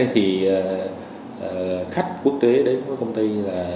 thì khách quốc tế đến với công ty